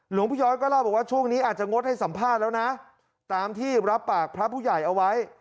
หลวงพี่ย้อยก็เล่าบอกว่าช่วงนี้อาจจะงดให้สัมภาษณ์แล้วนะตามที่รับปากพระผู้ใหญ่เอาไว้